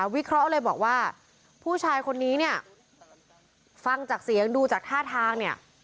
วิเคราะห์เลยบอกว่าผู้ชายคนนี้เนี่ยฟังจากเสียงดูจากท่าทางเนี่ย